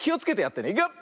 いくよ！